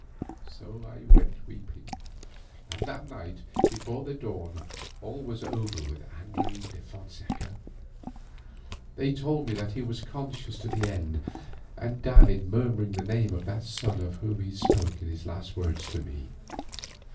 So I went weeping, and that night, before the dawn, all was over with Andres de Fonseca. They told me that he was conscious to the end and died murmuring the name of that son of whom he spoke in his last words to me.